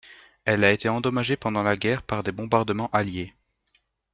Elle a été endommagée pendant la guerre par des bombardements alliés.